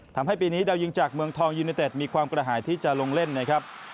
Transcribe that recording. ทำให้ปีนี้ดาวยิงจากเมืองทองยูเนเต็ดมีความกระหายที่จะลงเล่นนะครับ